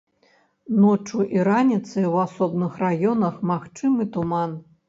Ноччу і раніцай у асобных раёнах магчымы туман.